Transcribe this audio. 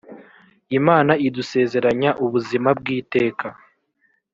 imana idusezeranya ubuzima bw’iteka